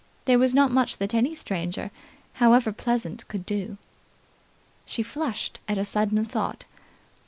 There was not much that any stranger, however pleasant, could do. She flushed at a sudden thought.